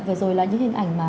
vừa rồi là những hình ảnh